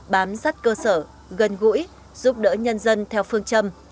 bám sát cơ sở gần gũi giúp đỡ nhân dân theo phương châm